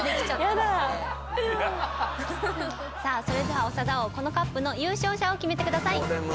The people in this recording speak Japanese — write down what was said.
それでは長田王このＣＵＰの優勝者を決めてください。